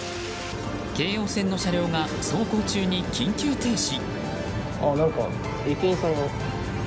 京王線の車両が走行中に緊急停止。